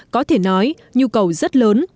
có thể nói nhu cầu rất lớn